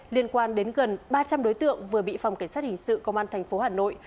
liên quan đến gần ba trăm linh đối tượng vừa bị phòng cảnh sát hình sự công an thành phố hà nội